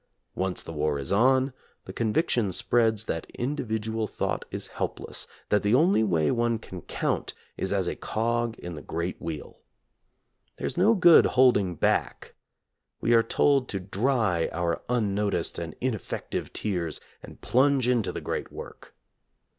Once the war is on, the conviction spreads that individual thought is helpless, that the only way one can count is as a cog in the great wheel. There is no good holding back. We are told to dry our unnoticed and in effective tears and plunge into the great work.